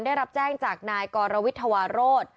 ได้รับแจ้งจากนายกรวิทวาโรธ